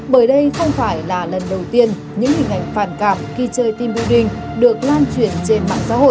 bởi đây không phải là lần đầu tiên những hình ảnh phản cảm khi chơi team bowing được lan truyền trên mạng xã hội